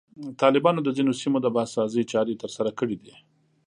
طالبانو د ځینو سیمو د بازسازي چارې ترسره کړي دي.